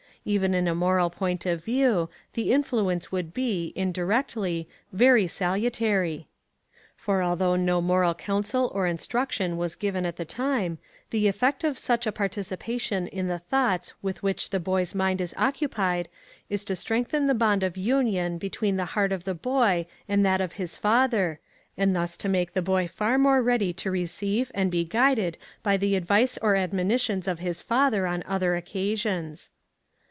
Even in a moral point of view, the influence would be, indirectly, very salutary; for although no moral counsel or instruction was given at the time, the effect of such a participation in the thoughts with which the boy's mind is occupied is to strengthen the bond of union between the heart of the boy and that of his father, and thus to make the boy far more ready to receive and be guided by the advice or admonitions of his father on other occasions.